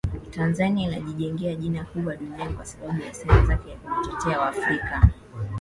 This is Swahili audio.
Tanzania ilijijengea jina kubwa duniani kwa sababu ya sera zake za kutetea Waafrika